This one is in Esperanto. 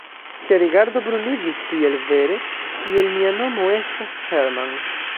Ŝia rigardo bruligis, tiel vere, kiel mia nomo estas Hermann.